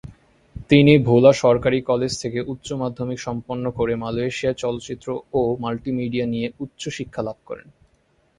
তিনি ভোলা সরকারি কলেজ থেকে উচ্চ মাধ্যমিক সম্পন্ন করে মালয়েশিয়ায় চলচ্চিত্র ও মাল্টিমিডিয়া নিয়ে উচ্চ শিক্ষা লাভ করেন।